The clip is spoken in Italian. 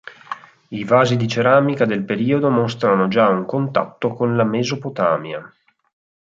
I vasi di ceramica del periodo mostrano già un contatto con la Mesopotamia.